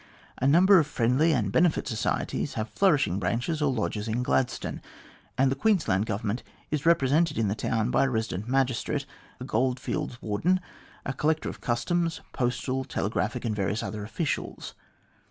A number of friendly and benefit societies have flourishing branches or lodges in Gladstone, and the Queensland Government is represented in the town by a resident magistrate, a goldfields warden, a collector of customs, postal, telegraphic, and various other officials.